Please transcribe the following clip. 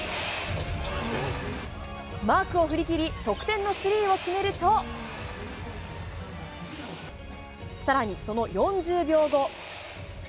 マークを振りきり、得点のスリーを決めると、さらにその４０秒後。